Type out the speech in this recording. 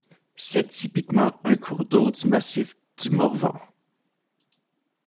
C'est typiquement un cours d'eau du massif du Morvan.